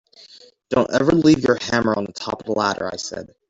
Don’t ever leave your hammer on the top of the ladder, I said.